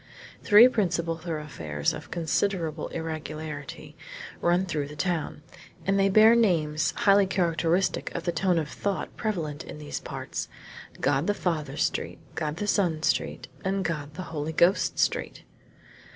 Three principal thoroughfares of considerable irregularity run through the town, and they bear names highly characteristic of the tone of thought prevalent in these parts God the Father Street, God the Son Street, and God the Holy Ghost Street!